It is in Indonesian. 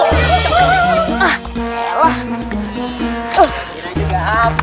ah gila juga apa